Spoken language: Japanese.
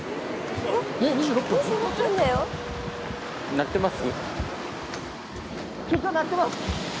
鳴ってます？